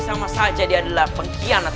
sama saja dia adalah pengkhianat